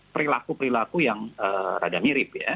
perilaku perilaku yang rada mirip ya